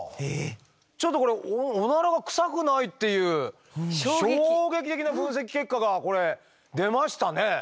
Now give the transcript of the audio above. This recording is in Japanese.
ちょっとこれオナラはクサくないっていう衝撃的な分析結果がこれ出ましたね。